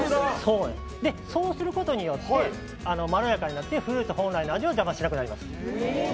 そうすることによってまろやかになってフルーツ本来の味を邪魔しなくなります。